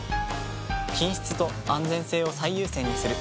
品質と安全性を最優先にする。